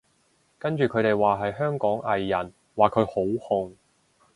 跟住佢哋話係香港藝人，話佢好紅